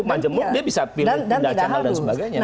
majemuk dia bisa pilih tindak canggal dan sebagainya